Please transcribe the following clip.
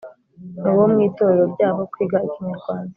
mu bo mu itorero ryabo kwiga ikinyarwanda